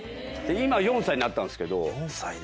今４歳になったんですけど。